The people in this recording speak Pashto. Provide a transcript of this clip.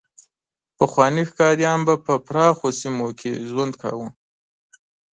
پخواني ښکاریان به په پراخو سیمو کې ژوند کاوه.